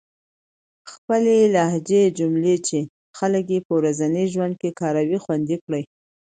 د خپلې لهجې جملې چې خلک يې په ورځني ژوند کې کاروي، خوندي کړئ.